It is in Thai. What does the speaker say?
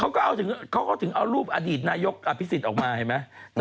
เราก็เอาถึงเราก็ถึงเอารูปอะดีตนายกกอภิสิทธิ์ออกมาเห็นไหม